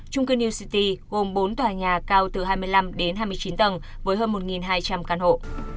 trung cư new city gồm bốn tòa nhà cao từ hai mươi năm đến hai mươi chín tầng với hơn một hai trăm linh căn hộ